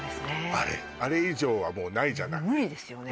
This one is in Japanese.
あれあれ以上はもうないじゃない無理ですよね